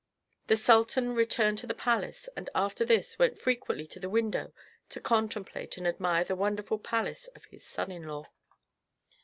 The sultan returned to the palace, and after this went frequently to the window to contemplate and admire the wonderful palace of his son in law.